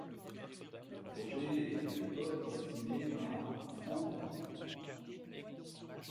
Le projet est à l'époque estimé à francs-or.